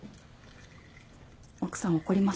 奥さん怒りますよね？